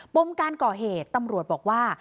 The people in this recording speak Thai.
มการก่อเหตุตำรวจบอกว่า